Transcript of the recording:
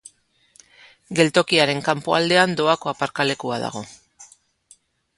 Geltokiaren kanpoaldean doako aparkalekua dago.